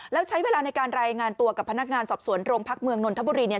แล้วใช้เวลาในการรายงานตัวกับพนักงานสอบสวนโรงพักเมืองนนทบุรีเนี่ย